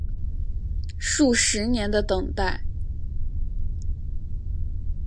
数十年的等待